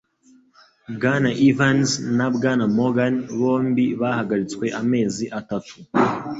Bwana Evans na Bwana Morgan bombi bahagaritswe amezi atatu